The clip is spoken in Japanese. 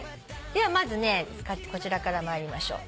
ではまずねこちらから参りましょう。